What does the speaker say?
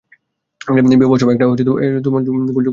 বিবাহসভায় একটা তুমুল গোলযোগ বাধিয়া গেল।